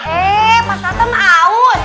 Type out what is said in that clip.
eh pak satam aus